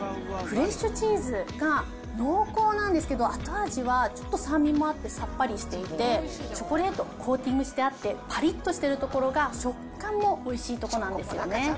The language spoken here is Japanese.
フレッシュチーズが濃厚なんですけど、後味はちょっと酸味もあって、さっぱりしていて、チョコレートコーティングしてあって、ぱりっとしているところが、食感もおいしいところなんですよね。